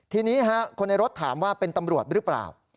ทีนี้คนในรถถามว่าเป็นตำรวจหรือเปล่า